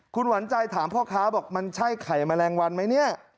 คุณหวันใจถามพ่อค้าบอกมันใช่ไข่แมลงวันไหมเนี่ย